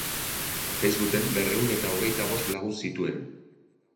Facebooken berrehun eta hogeita bost lagun zituen.